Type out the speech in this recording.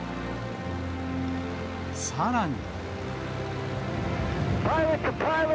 さらに。